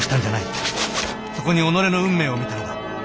そこに己の運命を見たのだ。